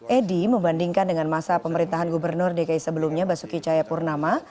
edy membandingkan dengan masa pemerintahan gubernur dki sebelumnya basuki caya purnama